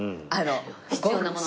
必要なものの。